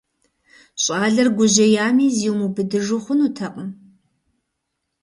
ЩӀалэр гужьеями, зимыубыдыжу хъунутэкъым.